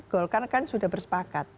golkar kan sudah bersepakat